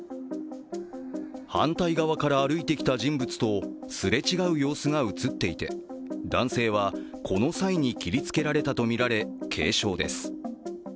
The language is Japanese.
反対側から歩いてきた人物とすれ違う様子が映っていて男性はこの際に切りつけられたとみられ、軽傷です